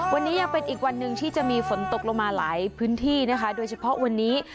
วันนี้ยังเป็นอีกวันหนึ่งที่จะมีฝนตกลงมาหลายพื้นที่นะคะโดยเฉพาะวันนี้